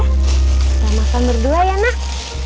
kita makan berdua ya nak